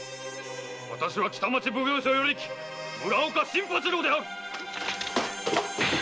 私は北町奉行所与力・村岡新八郎だ。